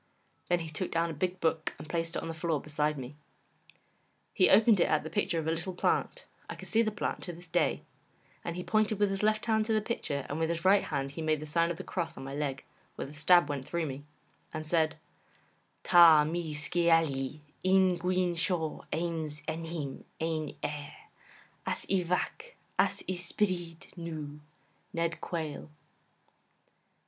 Then he took down a big book and placed it on the floor beside me. He opened it at the picture of a little plant I can see the plant to this day and he pointed with his left hand to the picture, and with his right hand he made the sign of the cross on my leg, where the stab went through me, and said: 'Ta mee skeaylley yn guin shoh ayns ennym yn Ayr, as y Vac, as y Spyrryd Noo, Ned Quayle.